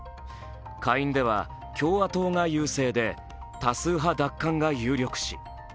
下院では共和党が優勢で多数派奪還が有力視。